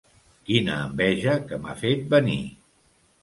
Quina enveja que m'ha fet venir!